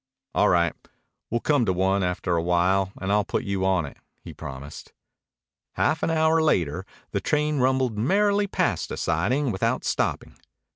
"All right. We'll come to one after a while and I'll put you on it," he promised. Half an hour later the train rumbled merrily past a siding without stopping.